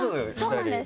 そうなんです